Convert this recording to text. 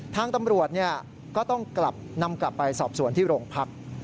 ทางตำรวจก็ต้องกลับนำกลับไปสอบสวนที่โรงพัก